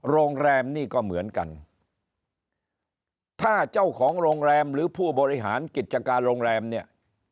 โรงแรมนี่ก็เหมือนกันถ้าเจ้าของโรงแรมหรือผู้บริหารกิจการโรงแรมเนี่ย